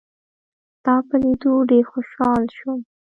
ستا په لیدو ډېر خوشاله شوم.